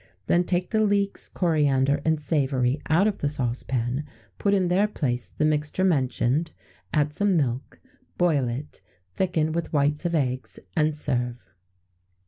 Then take the leeks, coriander, and savory out of the saucepan; put in their place the mixture mentioned, add some milk, boil it, thicken with whites of eggs, and serve.